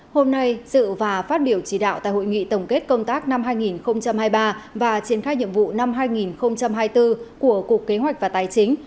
hôm nay dự và phát biểu chỉ đạo tại hội nghị tổng kết công tác năm hai nghìn hai mươi ba và triển khai nhiệm vụ năm hai nghìn hai mươi bốn của cục kế hoạch và tài chính